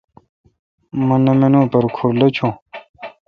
مہ نہ منوم پرہ کُھر لچھون۔